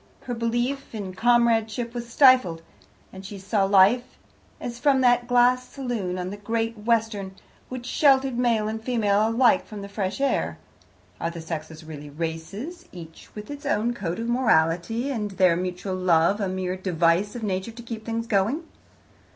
Her belief in comradeship was stifled, and she saw life as from that glass saloon on the Great Western, which sheltered male and female alike from the fresh air. Are the sexes really races, each with its own code of morality, and their mutual love a mere device of Nature to keep things going?